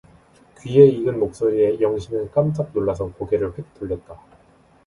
귀에 익은 목소리에 영신은 깜짝 놀라서 고개를 홱 돌렸다.